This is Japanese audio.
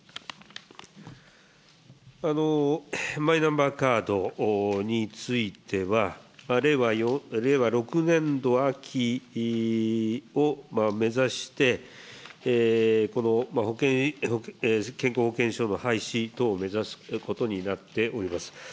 マイナンバーカードについては、令和６年度秋を目指して、この健康保険証の廃止等を目指すことになっております。